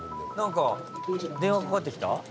なんか電話かかってきた？